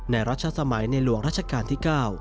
รัชสมัยในหลวงรัชกาลที่๙